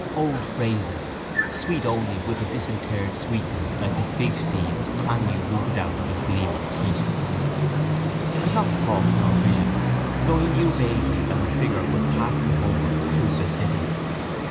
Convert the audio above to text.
Old phrases, sweet only with a disinterred sweetness like the figseeds Cranly rooted out of his gleaming teeth. It was not thought nor vision though he knew vaguely that her figure was passing homeward through the city.